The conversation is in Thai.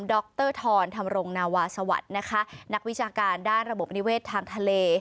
ดรธรธรรมรงนาวาสวัสดิ์นะคะนักวิชาการด้านระบบนิเวศทางทะเล